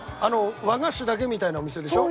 和菓子だけみたいなお店でしょ。